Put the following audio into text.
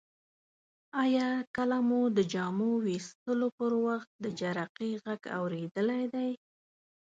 آیا کله مو د جامو ویستلو پر وخت د جرقې غږ اوریدلی دی؟